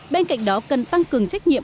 bên cạnh đó cần tăng cường trách nhiệm